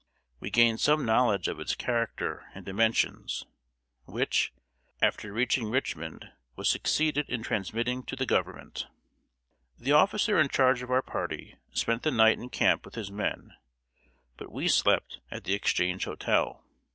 We gained some knowledge of its character and dimensions, which, after reaching Richmond, we succeeded in transmitting to the Government. The officer in charge of our party spent the night in camp with his men, but we slept at the Exchange Hotel.